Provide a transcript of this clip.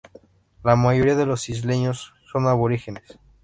La mayoría de los isleños son aborígenes.